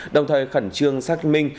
đồng thời khẩn trương xác minh